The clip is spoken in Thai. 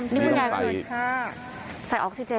นี่คุณยายคือใส่ออกซิเจน